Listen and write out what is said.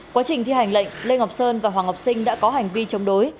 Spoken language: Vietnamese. quá trình thi hành lệnh lê ngọc sơn và hoàng ngọc sinh đã có hành vi chống đối